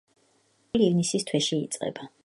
ზაფხული ივნისის თვეში იწყება.